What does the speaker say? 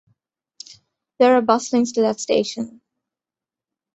There are bus links to that station.